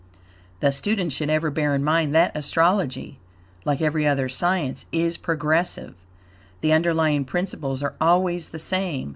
The student should ever bear in mind that astrology, like every other science, is progressive. The underlying principles are always the same.